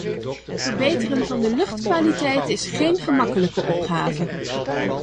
Verbeteren van de luchtkwaliteit is geen gemakkelijke opgave.